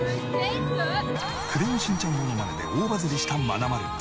クレヨンしんちゃんモノマネで大バズりしたまなまる。